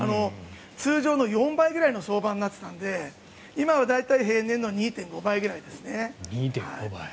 通常の４倍ぐらいの相場になっていたので今は大体平年の２．５倍ぐらいですね。